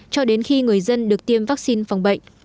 cho đến khi người dân được tiêm vaccine phòng bệnh